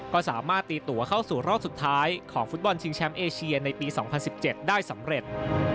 ก็สามารถตีตัวเข้าสู่รอบสุดท้ายของฟุตบอลชิงแชมป์เอเชียในปี๒๐๑๗ได้สำเร็จ